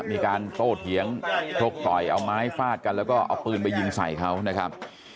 มีการโต้เถียงชกต่อยเอาไม้ฟาดกันแล้วก็เอาปืนไปยิงใส่เขานะครับ